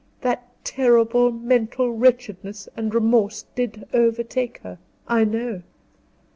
That terrible mental wretchedness and remorse did overtake her, I know."